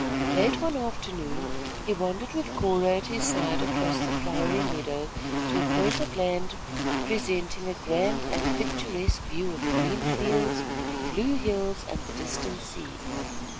Late one afternoon, he wandered with Cora at his side across the flowery meadow to a point of land presenting a grand and picturesque view of green fields, blue hills and the distant sea.